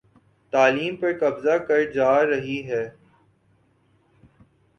تعلیم پر قبضہ کر جا رہی ہے